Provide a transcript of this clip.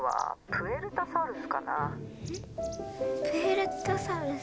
プエルタサウルス。